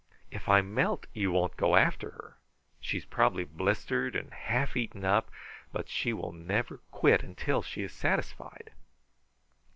If I melt, you won't go after her. She's probably blistered and half eaten up; but she never will quit until she is satisfied."